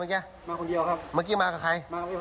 เมื่อกี้มากับใคร